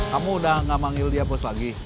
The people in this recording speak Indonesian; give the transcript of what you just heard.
kamu udah gak manggil dia bos lagi